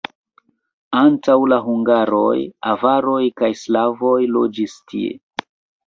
Antaŭ la hungaroj avaroj kaj slavoj loĝis tie.